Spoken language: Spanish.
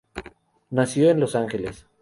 Nació en Los Ángeles.